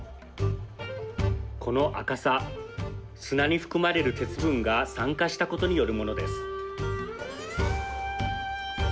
この赤さ砂に含まれる鉄分が酸化したことによるものです。